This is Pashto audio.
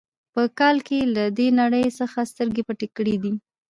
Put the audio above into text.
په کال کې یې له دې نړۍ څخه سترګې پټې کړې دي.